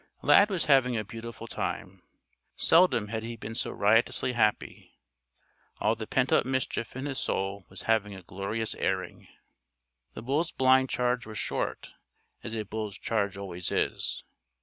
Lad was having a beautiful time. Seldom had he been so riotously happy. All the pent up mischief in his soul was having a glorious airing. The bull's blind charge was short, as a bull's charge always is.